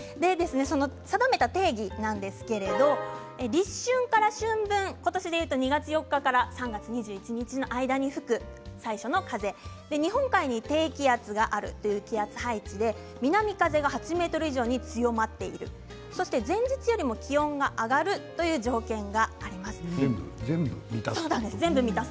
定めた定義なんですけど立春から春分、今年でいうと２月４日から３月２１日の間に吹く最初の風日本海に低気圧があるという気圧配置で南風が８ｍ以上に強まっているそして前日よりも気温が上がる全部満たす？